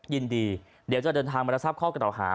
ยินดีเดี๋ยวจะเดินทางมารทรัพย์ข้อเกราะหา